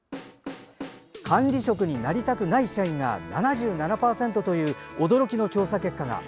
管理職になりたくない社員が７７％という驚きの調査結果が。